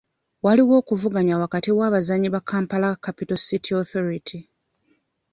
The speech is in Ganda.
Waliwo okuvuganya wakati w'abazannyi ba Kampala Capital City Authority.